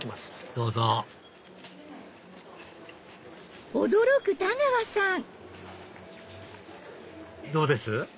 どうぞどうです？